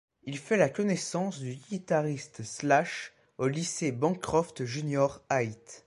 Il fait la connaissance du guitariste Slash au lycée Bancroft Junior High.